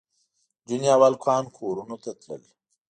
نجونې او هلکان کورونو ته تلل.